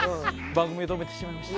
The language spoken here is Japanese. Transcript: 番組を止めてしまいました。